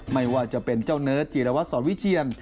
ไม่ว่าจะเป็นเจ้าเนิร์ดจีรวัตรสอนวิเชียน